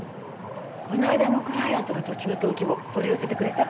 この間のクライアントの土地の登記簿取り寄せてくれた？